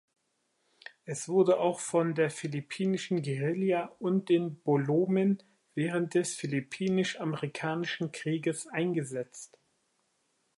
Es wurde auch von der philippinischen Guerilla und den Bolomen während des philippinisch-amerikanischen Krieges eingesetzt.